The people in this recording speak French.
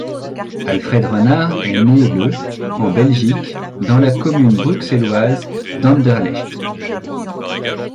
Alfred Renard est né le en Belgique, dans la commune bruxelloise d'Anderlecht.